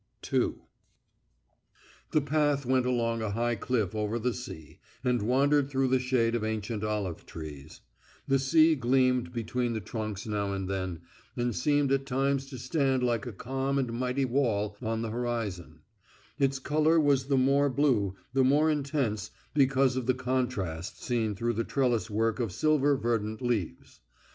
II The path went along a high cliff over the sea, and wandered through the shade of ancient olive trees, The sea gleamed between the trunks now and then, and seemed at times to stand like a calm and mighty wall on the horizon; its colour was the more blue, the more intense, because of the contrast seen through the trellis work of silver verdant leaves.